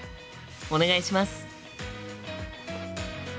お願いします。